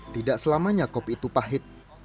tidak selamanya kopi itu pahit